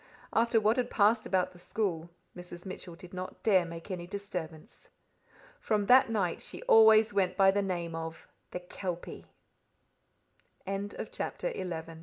After what had passed about the school, Mrs. Mitchell did not dare make any disturbance. From that night she always went by the name of the Kelpie. CHAPTER XII Another Kelpie